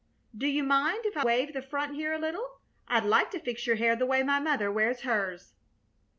Do you mind if I wave the front here a little? I'd like to fix your hair the way my mother wears hers."